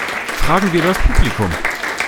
Fragen wir das Publikum!